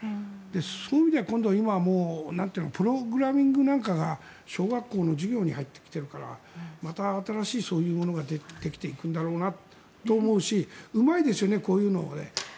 そういう意味では今度、プログラミングなんかが小学校の授業に入ってきているからまた新しいそういうものができていくんだろうなと思うしうまいですよねこういうのもね。